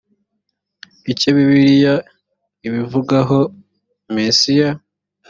icyo bibiliya ibivugaho mesiya